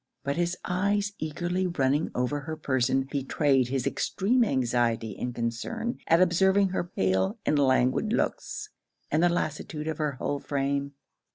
But his eyes eagerly running over her person, betrayed his extreme anxiety and concern at observing her pale and languid looks, and the lassitude of her whole frame.